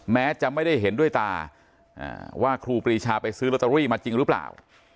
แม้จะไม่ได้เห็นด้วยตาว่าครูปรีชาไปซื้อลอตเตอรี่มาจริงหรือเปล่า